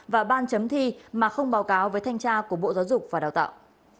và ban chấm thi mà không báo cáo với thanh tra của bộ giáo dục và đào tạo